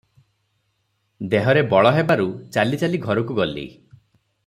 ଦେହରେ ବଳ ହେବାରୁ ଚାଲି ଚାଲି ଘରକୁ ଗଲି ।